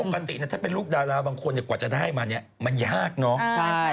ปกติถ้าเป็นลูกดาราบางคนกว่าจะได้มาเนี่ยมันยากเนอะ